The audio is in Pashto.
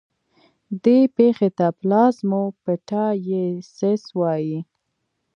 دې پېښې ته پلازموپټایسس وایي.